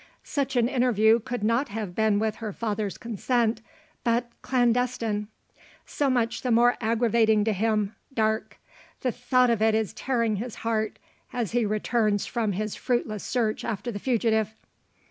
Such an interview could not have been with her father's consent, but clandestine. So much the more aggravating to him Darke. The thought of it is tearing his heart, as he returns from his fruitless search after the fugitive.